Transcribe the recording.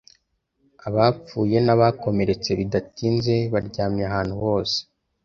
Abapfuye n'abakomeretse bidatinze baryamye ahantu hose.